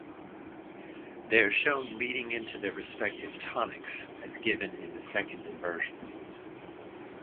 They are shown leading into their respective tonics, as given in the second inversion.